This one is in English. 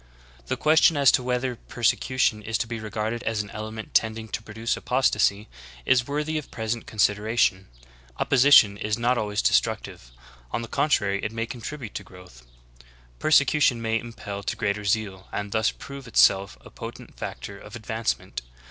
The ques EXTERNAL CAUSES. 55 tion as to whether persecution is to be regarded as an ele ment tending to produce apostasy is worthy of present con sideration. Opposition is not always destructive; on the contrary it may contribute to growth. Persecution may im pel to greater zeal, and thus prove itself a potent factor of advancement.